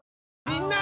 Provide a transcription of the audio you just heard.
みんな！